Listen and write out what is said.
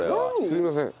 すいません。